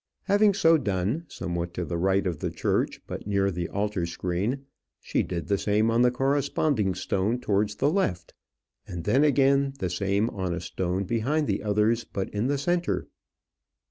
Having so done somewhat to the right of the church, but near the altar screen, she did the same on the corresponding stone towards the left, and then again the same on a stone behind the others, but in the centre.